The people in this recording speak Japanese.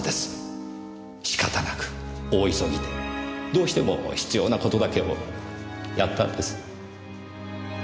仕方なく大急ぎでどうしても必要なことだけをやったんです。